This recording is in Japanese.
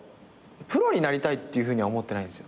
プロになりたいっていうふうには思ってないんすよ。